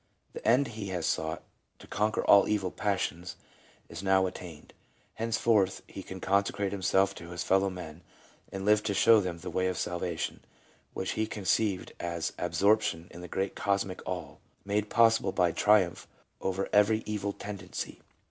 The end he has sought — to conquer all evil passions — is now attained ; henceforth he can consecrate himself to his fellow men and live to show them the way of salvation, which he conceived as absorption in the Great Cosmic All, made possi ble by triumph over every evil tendency.